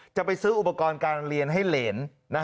จะไปซื้ออุปกรณ์การเรียนให้เหรน